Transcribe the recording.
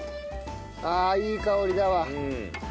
ああいい香りだわ。